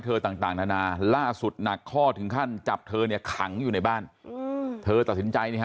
เธอต่างนานาล่าสุดหนัดข้อถึงขั้นจับเธอเนี่ยขันอยู่ในบ้านเธอตะนใจ